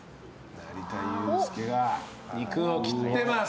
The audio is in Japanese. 成田悠輔が肉を切ってます。